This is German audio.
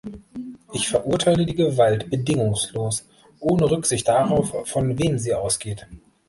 Ich verurteile die Gewalt bedingungslos, ohne Rücksicht darauf, von wem sie ausgeht.